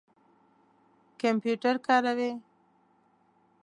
کمپیوټر کاروئ؟